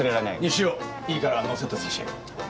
西尾いいから乗せて差し上げろ。